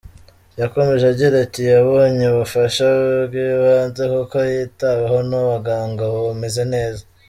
Yakomeje agira ati “ Yabonye ubufasha bw’ibanze kuko yitaweho n’abaganga ubu ameze neza.